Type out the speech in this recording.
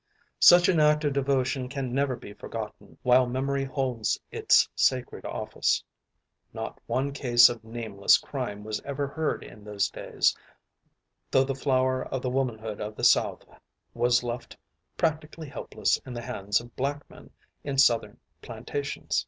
Such an act of devotion can never be forgotten while memory holds its sacred office. Not one case of nameless crime was ever heard in those days, though the flower of the womanhood of the South was left practically helpless in the hands of black men in Southern plantations.